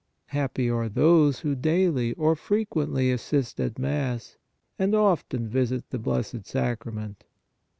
Happy are those who daily or frequently assist at Mass and often visit the Blessed Sacrament.